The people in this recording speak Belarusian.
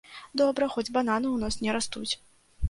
Добра, хоць бананы ў нас не растуць!